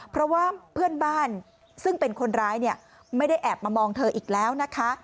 เพราะว่าเพื่อนบ้านซึ่งเป็นคนร้ายเนี่ยไม่ได้แอบมามองเธออีกแล้วนะคะ